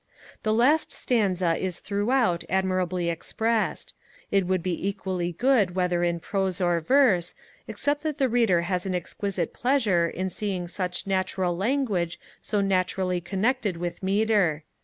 The last stanza is throughout admirably expressed: it would be equally good whether in prose or verse, except that the Reader has an exquisite pleasure in seeing such natural language so naturally connected with metre.